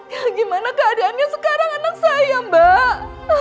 ya gimana keadaannya sekarang anak saya mbak